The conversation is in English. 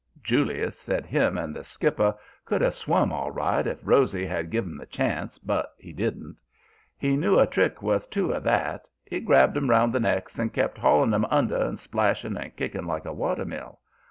"Julius said him and the skipper could have swum all right if Rosy had give 'em the chance, but he didn't. He knew a trick worth two of that. He grabbed 'em round the necks and kept hauling 'em under and splashing and kicking like a water mill.